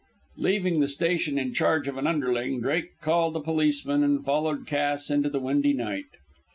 Leaving the station in charge of an underling, Drake called a policeman, and followed Cass into the windy night.